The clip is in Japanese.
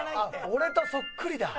「俺とそっくりだ。